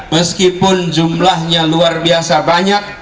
meskipun jumlahnya luar biasa banyak